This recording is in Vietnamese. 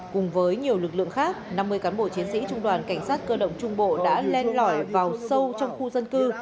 cùng với nhiều lực lượng khác năm mươi cán bộ chiến sĩ trung đoàn cảnh sát cơ động trung bộ đã lên lõi vào sâu trong khu dân cư